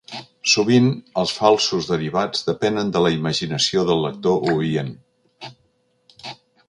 Sovint els falsos derivats depenen de la imaginació del lector o oient.